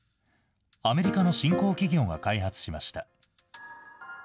アメリカの新興企業が開発しました。